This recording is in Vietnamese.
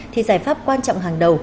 thì giải pháp quan trọng hàng đầu